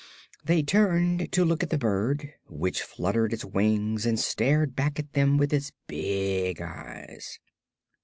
They turned to look at the bird, which fluttered its wings and stared back at them with its big eyes.